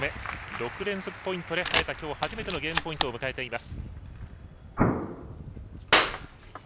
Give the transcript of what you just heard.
６連続ポイントで早田、今日初めてのゲームポイントを迎えています。